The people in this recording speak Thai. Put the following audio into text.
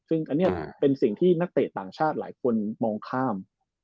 ซึ่งอันนี้เป็นสิ่งที่นักเตะต่างชาติหลายคนมองข้าม